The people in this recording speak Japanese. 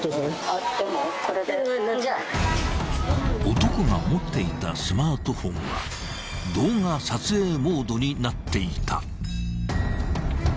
［男が持っていたスマートフォンは動画撮影モードになっていた］